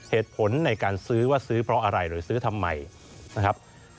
เหตุผลในการซื้อว่าซื้อเพราะอะไรหรือซื้อทำไมนะครับ